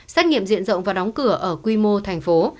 xét nghiệm diện rộng và đóng cửa ở quy mô thành phố